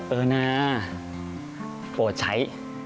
เออนาโปรดใช้